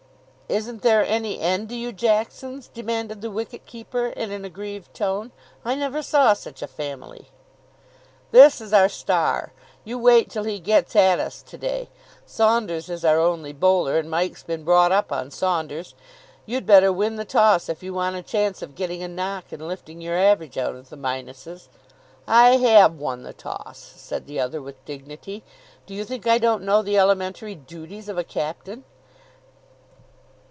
"Isn't there any end to you Jacksons?" demanded the wicket keeper in an aggrieved tone. "I never saw such a family." "This is our star. You wait till he gets at us to day. Saunders is our only bowler, and Mike's been brought up on Saunders. You'd better win the toss if you want a chance of getting a knock and lifting your average out of the minuses." "I have won the toss," said the other with dignity. "Do you think I don't know the elementary duties of a captain?"